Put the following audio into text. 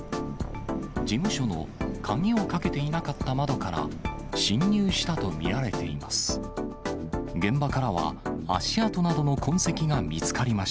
事務所の鍵をかけていなかった窓から侵入したと見られています。